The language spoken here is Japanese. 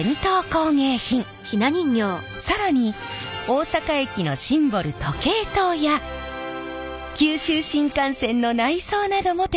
更に大阪駅のシンボル時計塔や九州新幹線の内装なども手がけているんです。